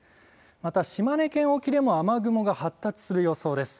また、島根県沖でも雨雲が発達する予想です。